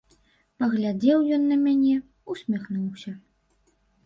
Паглядзеў ён на мяне, усміхнуўся.